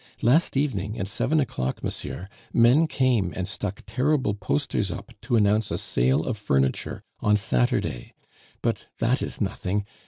Last evening, at seven o'clock, monsieur, men came and stuck terrible posters up to announce a sale of furniture on Saturday but that is nothing.